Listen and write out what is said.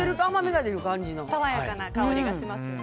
爽やかな香りがしますよね。